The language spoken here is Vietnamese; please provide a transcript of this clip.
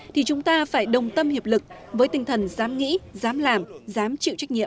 thì chúng ta phải đồng tâm hiệp lực với tinh thần dám nghĩ dám làm dám chịu trách nhiệm